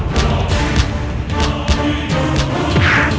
kau akan menang